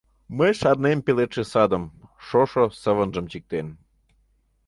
Мый шарнем пеледше садым: Шошо сывынжым чиктен.